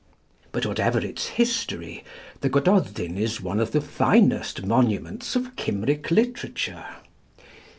But whatever its history, the 'Gododin' is one of the finest monuments of Cymric literature.